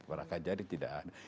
para kajari tidak ada